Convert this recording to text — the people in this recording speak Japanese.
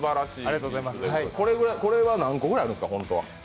これは何個ぐらいあるんですかホントは。